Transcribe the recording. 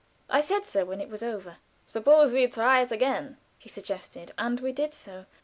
I said so when it was over. "Suppose we try it again," he suggested, and we did so.